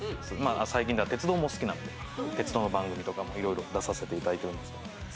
最近では鉄道も好きなので鉄道の番組とかもいろいろ出させていただいております。